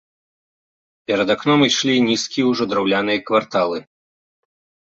Перад акном ішлі нізкія ўжо, драўляныя кварталы.